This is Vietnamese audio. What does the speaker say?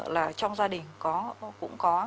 là trong gia đình cũng có